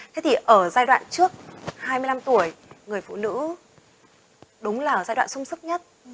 thế thì ở giai đoạn trước hai mươi năm tuổi người phụ nữ đúng là giai đoạn sung sấp nhất